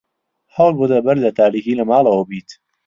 هەوڵ بدە بەر لە تاریکی لە ماڵەوە بیت.